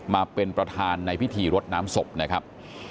มาเป็นประธานในพิธีรดน้ำศพนะครับ